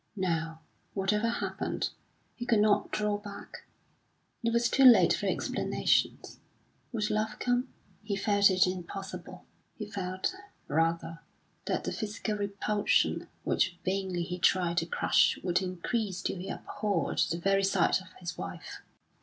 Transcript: Now, whatever happened, he could not draw back; it was too late for explanations. Would love come? He felt it impossible; he felt, rather, that the physical repulsion which vainly he tried to crush would increase till he abhorred the very sight of his wife.